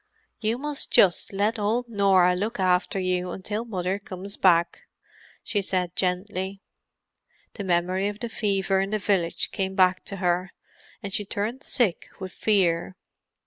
"You must just let old Norah look after you until Mother comes back," she said gently. The memory of the fever in the village came to her, and she turned sick with fear.